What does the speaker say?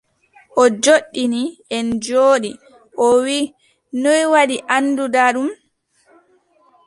O joɗɗini, en njooɗi, o wii : noy waɗi annduɗa ɗum ?